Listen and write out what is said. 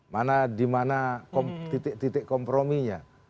mana di mana titik titik komprominya